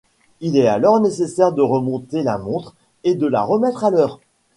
Il est alors nécessaire de remonter la montre et de la remettre à l'heure.